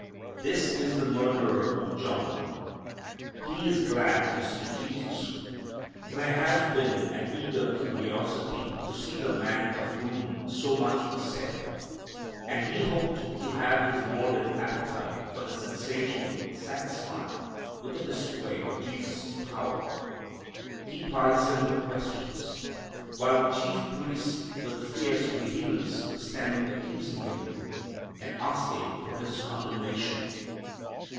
This is the murderer of John. He is glad to see Jesus. There has been an eager curiosity to see the man of whom so much was said, and he hoped to have his morbid appetite for the sensational satisfied with a display of Jesus' power. He plies Him with questions, while the chief priests with fierce vehemence stand accusing Him, and asking for His condemnation.